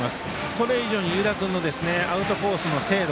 それ以上に湯田君のアウトコースの精度。